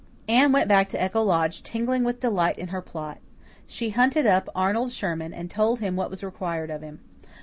Anne went back to Echo Lodge tingling with delight in her plot. She hunted up Arnold Sherman, and told him what was required of him.